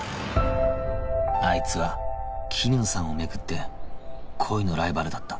あいつは桐野さんを巡って恋のライバルだった